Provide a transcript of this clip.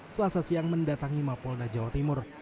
selasa siang mendatangi mapolda jawa timur